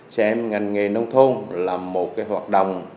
xem ngành nghề nông thôn làm một hoạt động